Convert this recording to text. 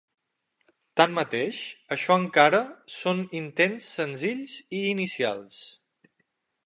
Tanmateix, això encara són intents senzills i inicials.